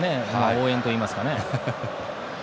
応援といいますか。